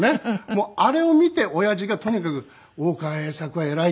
もうあれを見ておやじがとにかく「大川栄策は偉い」と。